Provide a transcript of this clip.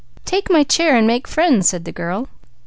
"Take my chair and make friends," said the girl.